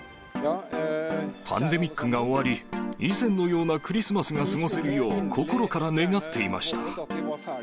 パンデミックが終わり、以前のようなクリスマスが過ごせるよう心から願っていました。